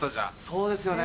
そうですよね。